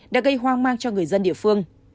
đã gây hoang mang cho người dân địa phương